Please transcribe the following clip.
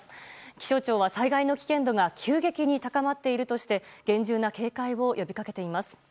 気象庁は災害の危険度が急激に高まっているとして厳重な警戒を呼び掛けています。